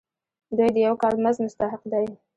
دوی د یو کال مزد مستحق دي.